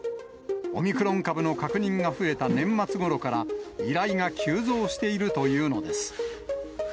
オミクロン株の確認が増えた年末ごろから、依頼が急増しているというのです。